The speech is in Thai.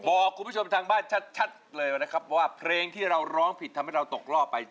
บอกคุณผู้ชมทางบ้านชัดเลยนะครับว่าเพลงที่เราร้องผิดทำให้เราตกรอบไป